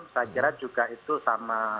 saya kira juga itu sama